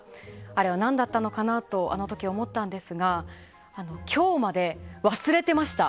あれは何だったのかなとあの時、思ったんですが今日まで忘れていました。